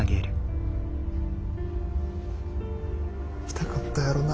痛かったやろな。